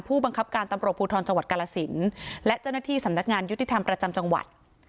ผู้บังคับการตำรวจภูทรจังหวัดกาลสินและเจ้าหน้าที่สำนักงานยุติธรรมประจำจังหวัด